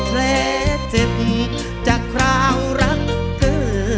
แทร่เจ็บจากคราวรักเกิน